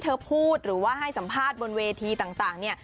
เธอพูดหรือว่าให้สัมภาษณ์บนเวที